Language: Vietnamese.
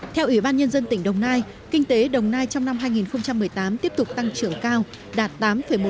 theo ủy ban nhân dân tỉnh đồng nai kinh tế đồng nai trong năm hai nghìn một mươi tám tiếp tục tăng trưởng cao đạt tám một